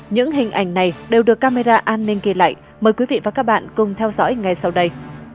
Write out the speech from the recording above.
những hình ảnh này đều được camera an ninh ghi lại mời quý vị và các bạn cùng theo dõi ngay sau đây